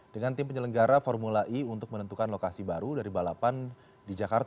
dengan tim penyelenggara formula e untuk menentukan lokasi baru dari balapan di jakarta